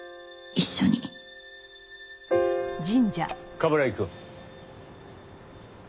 冠城くん。